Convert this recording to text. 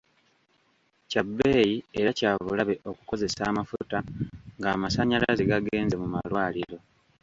Kya bbeeyi era kya bulabe okukozesa amafuta ng'amasannyalaze gagenze mu malwaliro.